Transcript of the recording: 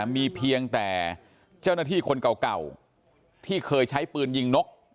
มีเพียงแต่เจ้าหน้าที่คนเก่าที่เคยใช้ปืนยิงนก